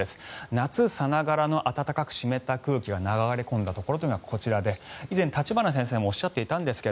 夏さながらの暖かく湿った空気が流れ込んだところというのがこちらで以前、立花先生もおっしゃっていたんですが